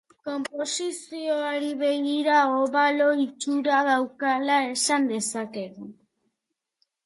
Konposizioari begira, obalo itxura daukala esan dezakegu.